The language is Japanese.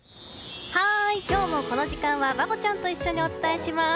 今日もこの時間はバボちゃんと一緒にお伝えします。